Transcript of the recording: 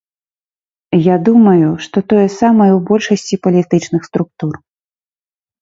Я думаю, што тое самае ў большасці палітычных структур.